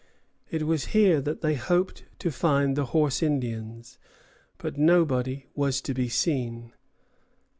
It was here that they hoped to find the Horse Indians, but nobody was to be seen.